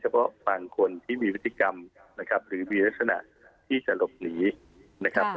พากลที่มีวิธีกรรมบ้างหรือมีลฤษณะที่จะหลบหนี